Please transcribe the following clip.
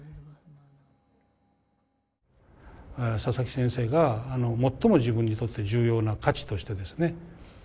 佐々木先生が最も自分にとって重要な価値としてですね